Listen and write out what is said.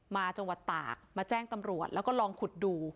มาจังหวัดตากมาแจ้งตำรวจแล้วก็ลองขุดดู